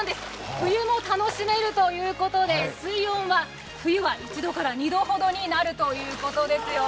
冬も楽しめるということで、水温が冬は１度から２度ほどになるということですよ。